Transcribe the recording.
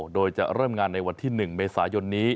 โดยจะเริ่มงานในวันที่๑เมษายนนี้